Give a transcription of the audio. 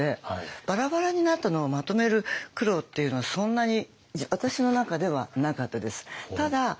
バラバラになったのをまとめる苦労っていうのはそんなに私の中ではなかったです。